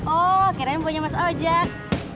oh keren poinnya mas ojak